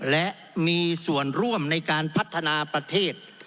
และมีส่วนร่วมในการพัฒนาประเทศ